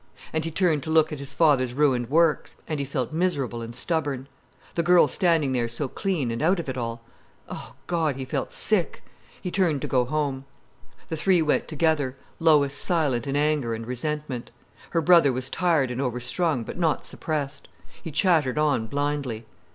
And he turned to look at his father's ruined works, and he felt miserable and stubborn. The girl standing there so clean and out of it all! Oh, God, he felt sick. He turned to go home. The three went together, Lois silent in anger and resentment. Her brother was tired and overstrung, but not suppressed. He chattered on blindly.